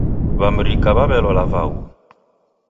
W'amrika w'aw'elola vaghu